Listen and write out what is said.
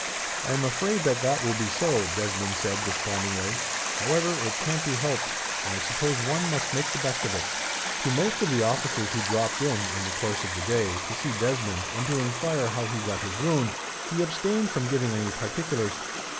"I am afraid that that will be so," Desmond said, despondingly. "However, it can't be helped, and I suppose one must make the best of it." To most of the officers who dropped in, in the course of the day, to see Desmond and to enquire how he got his wound, he abstained from giving any particulars.